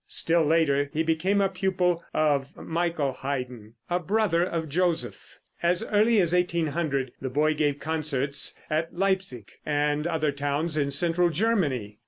Still later he became a pupil of Michael Haydn, a brother of Joseph. As early as 1800 the boy gave concerts in Leipsic and other towns in central Germany.